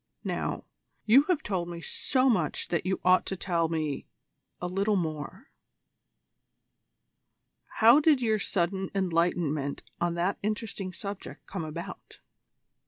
Now, you have told me so much that you ought to tell me a little more. How did your sudden enlightenment on that interesting subject come about?"